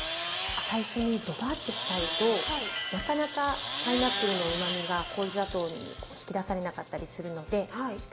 最初にドバッてしちゃうとなかなかパイナップルのうまみが氷砂糖に引き出されなかったりするので。